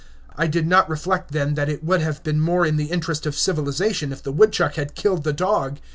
I did not reflect then that it would have been more in the interest of civilization if the woodchuck had killed the dog.